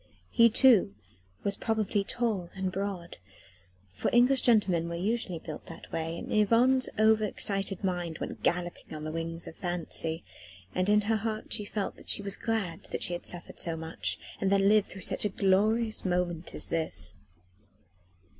He too was probably tall and broad for English gentlemen were usually built that way; and Yvonne's over excited mind went galloping on the wings of fancy, and in her heart she felt that she was glad that she had suffered so much, and then lived through such a glorious moment as this.